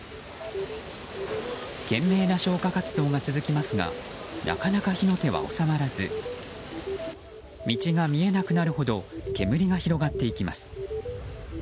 懸命な消火活動が続きますがなかなか火の手は収まらず道が見えなくなるほど煙が広がっていきます。